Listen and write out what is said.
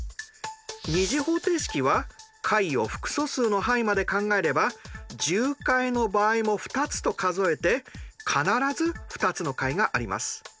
２次方程式は解を複素数の範囲まで考えれば重解の場合も２つと数えて必ず２つの解があります。